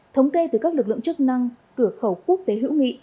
thống kê từ các lực lượng chức năng cửa khẩu quốc tế hữu nghị